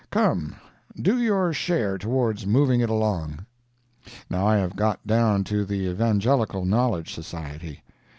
Come, do your share towards moving it along. Now I have got down to the Evangelical Knowledge Society.